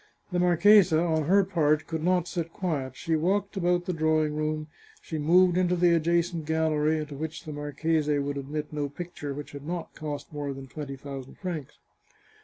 The marchesa, on her part, could not sit quiet; she walked about the drawing room, she moved into the adjacent gallery, into which the marchese would admit no picture which had not cost more than twenty thousand francs.